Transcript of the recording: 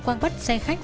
quang bắt xe khách